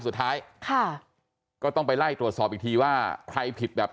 สุดท้ายค่ะก็ต้องไปไล่ตรวจสอบอีกทีว่าใครผิดแบบไหน